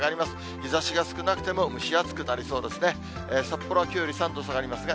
日ざしが少なくても、蒸し暑くなりそうですね。